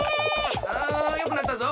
およくなったぞ。